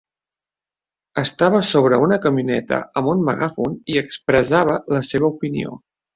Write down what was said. Estava sobre una camioneta amb un megàfon i expressava la seva opinió.